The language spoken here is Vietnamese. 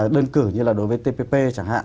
đơn cử như là đối với tpp chẳng hạn